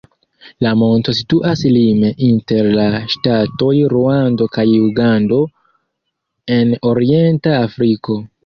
La monto situas lime inter la ŝtatoj Ruando kaj Ugando en orienta Afriko.